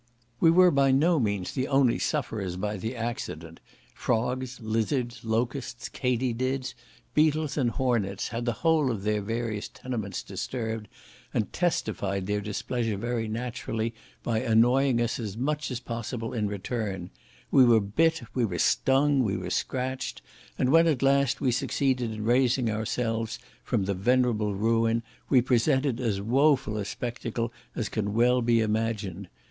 We were by no means the only sufferers by the accident; frogs, lizards, locusts, katiedids, beetles, and hornets, had the whole of their various tenements disturbed, and testified their displeasure very naturally by annoying us as much as possible in return; we were bit, we were stung, we were scratched; and when, at last, we succeeded in raising ourselves from the venerable ruin, we presented as woeful a spectacle as can well be imagined.